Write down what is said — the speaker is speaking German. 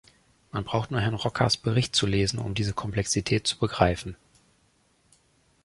Man braucht nur Herrn Rockars Bericht zu lesen, um diese Komplexität zu begreifen.